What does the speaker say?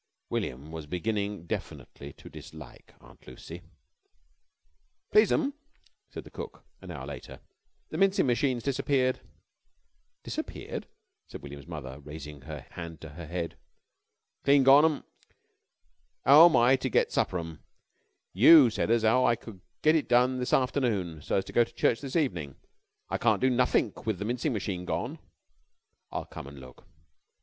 William was beginning definitely to dislike Aunt Lucy. "Please'm," said the cook an hour later, "the mincing machine's disappeared." "Disappeared?" said William's mother, raising her hand to her head. "Clean gone'm. 'Ow'm I to get the supper'm? You said as 'ow I could get it done this afternoon so as to go to church this evening. I can't do nuffink with the mincing machine gone." "I'll come and look."